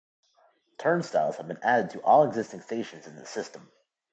Turnstiles have been added to all existing stations in the system.